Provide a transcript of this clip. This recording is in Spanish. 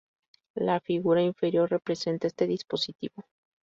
La figura inferior representa este dispositivo.